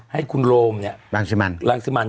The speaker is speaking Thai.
ให้คุณโรมเนี่ยลางซิมัน